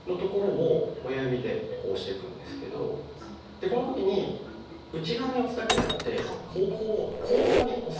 でこの時に内側に押すだけじゃなくて方向を後方に押すと。